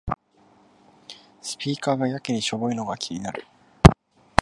スピーカーがやけにしょぼいのが気になる